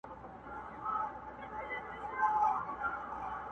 o بدي دي وکړه، د لويه کوره٫